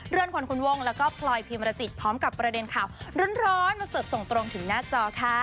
เรือนคนคุณวงแล้วก็พลอยพิมรจิตพร้อมกับประเด็นข่าวร้อนมาเสิร์ฟส่งตรงถึงหน้าจอค่ะ